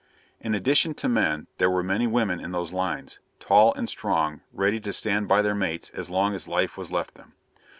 In addition to men, there were many women in those lines, tall and strong, ready to stand by their mates as long as life was left them.